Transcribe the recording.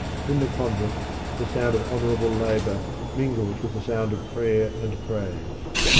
In the convent the sound of honourable labour mingles with the sound of prayer and praise.